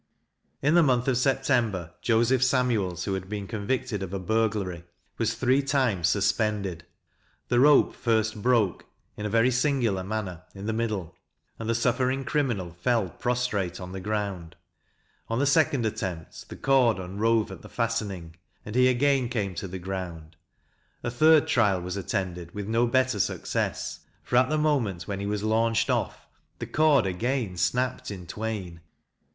In the month of September, Joseph Samuels, who had been convicted of a burglary, was three times suspended: the rope first broke, in a very singular manner, in the middle, and the suffering criminal fell prostrate on the ground; on the second attempt, the cord unrove at the fastening, and he again came to the ground; a third trial was attended with no better success, for at the moment when he was launched off, the cord again snapped in twain.